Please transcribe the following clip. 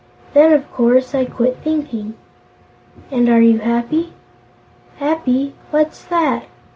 Then, of course, I quit thinking." "And are you happy?" "Happy? What's that?"